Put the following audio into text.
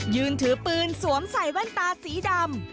ยืนถือปืนสวมใส่แว่นตาสีดำ